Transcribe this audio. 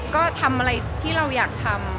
ก็ทำอะไรที่เราอยากทำ